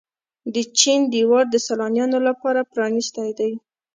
د چین دیوار د سیلانیانو لپاره پرانیستی دی.